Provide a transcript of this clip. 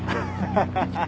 ハハハハ。